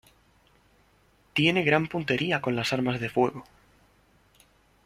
Tiene gran puntería con las armas de fuego.